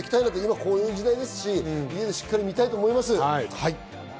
こういう時代ですから家でしっかり見たいと思います。